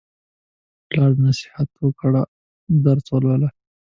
پلار نصیحت وکړ: درس ولوله.